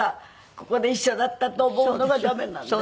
ここで一緒だったと思うのが駄目なんですね。